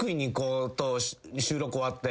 収録終わって。